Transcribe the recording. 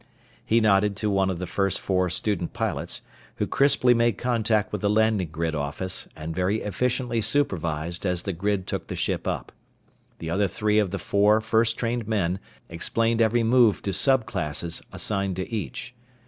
He nodded to one of the first four student pilots, who crisply made contact with the landing grid office, and very efficiently supervised as the grid took the ship up. The other three of the four first trained men explained every move to sub classes assigned to each.